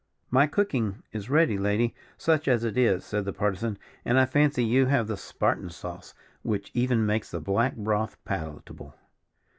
"My cooking is ready, lady, such as it is," said the Partisan, "and I fancy you have the Spartan sauce, which even makes the black broth palatable."